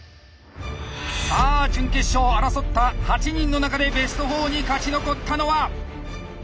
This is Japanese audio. さあ準決勝を争った８人の中でベスト４に勝ち残ったのは。